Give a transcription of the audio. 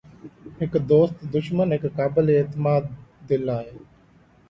هڪ دوست دشمن هڪ قابل اعتماد دل آهي